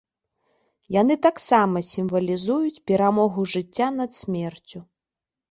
Яны таксама сімвалізуюць перамогу жыцця над смерцю.